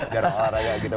jarak olahraga gitu